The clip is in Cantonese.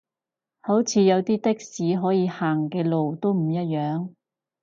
好似有啲的士可以行嘅路都唔一樣